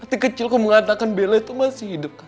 hati kecilku mengatakan bella itu masih hidup kak